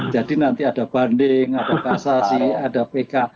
jadi nanti ada banding ada kasasi ada pk